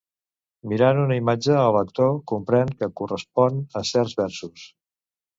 Mirant una imatge, el lector comprèn que correspon a certs versos.